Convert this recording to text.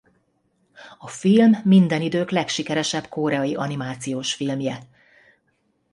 A film minden idők legsikeresebb koreai animációs filmje.